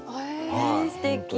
すてき。